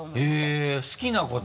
へぇ好きなこと。